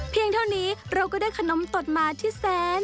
เท่านี้เราก็ได้ขนมตดมาที่แสน